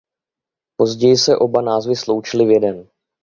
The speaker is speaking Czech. Později se oba názvy sloučily v jeden.